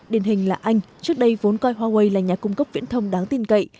điển hình là anh trước đây vốn coi huawei là nhà cung cấp viễn thông đáng tin cậy